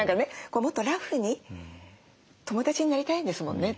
こうもっとラフに友達になりたいんですもんね。